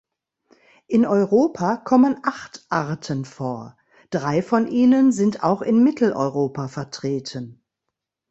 In Europa kommen acht Arten vor, drei von ihnen sind auch in Mitteleuropa vertreten.